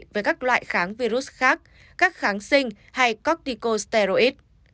với các loại kháng virus khác các kháng sinh hay corticosteroids